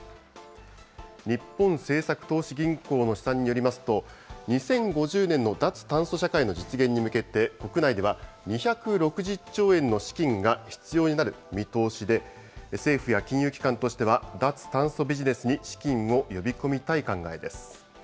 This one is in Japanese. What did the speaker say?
日本政策投資銀行の試算によりますと、２０５０年の脱炭素社会の実現に向けて、国内では２６０兆円の資金が必要になる見通しで、政府や金融機関としては、脱炭素ビジネスに資金を呼び込みたい考えです。